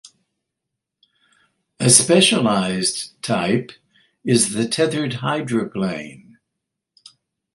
A specialized type is the tethered hydroplane.